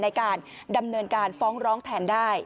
ในการดำเนินการฟ้องร้องแทนได้